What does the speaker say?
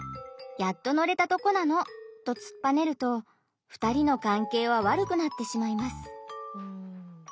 やっと乗れたとこなの！」とつっぱねると２人の関係は悪くなってしまいます。